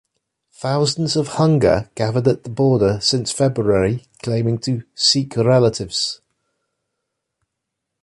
Thousands of hunger gathered at the border since February claiming to "seek relatives".